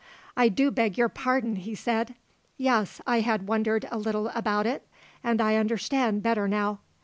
"I do beg your pardon," he said. "Yes; I had wondered a little about it; and I understand better now."